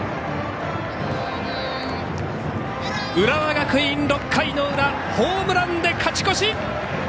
浦和学院、６回の裏ホームランで勝ち越し！